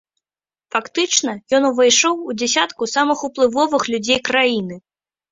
Фактычна, ён увайшоў у дзясятку самых уплывовых людзей краіны.